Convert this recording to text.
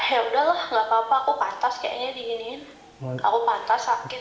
yaudahlah gak apa apa aku pantas kayaknya diginiin aku pantas sakit